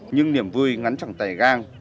nhưng niềm vui ngắn chẳng tẻ gan